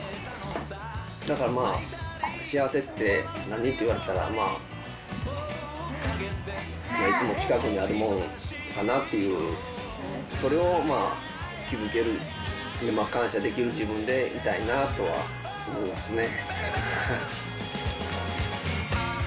だから幸せって何？って言われたら、いつも近くにあるものかなという、それを気付ける、感謝できる自分でいたいなとは思いますね。